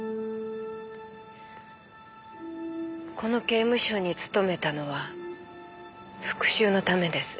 この刑務所に勤めたのは復讐のためです。